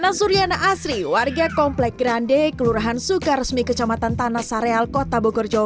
nasuriana asri warga komplek grande kelurahan sukaresmi kecamatan tanah sareal kota bogor jawa